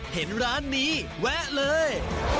เห็นร้านนี้แวะเลย